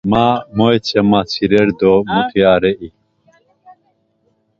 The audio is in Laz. Ma mo etzomatzire do muya are i.